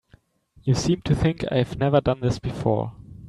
You seem to think I've never done this before.